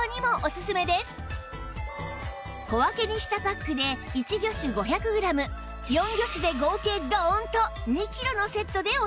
小分けにしたパックで１魚種５００グラム４魚種で合計ドーンと２キロのセットでお届け！